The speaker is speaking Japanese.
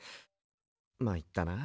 まいったな。